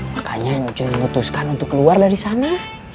makanya yang memutuskan untuk keluar dari sana